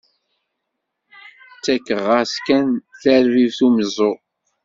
Ttakeɣ-as kan, tarbibt umeẓẓuɣ.